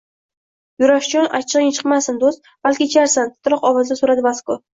Yurashjon, achchigʻing chiqmasin, doʻst. Balki icharsan? – titroq ovozda soʻradi Vasko.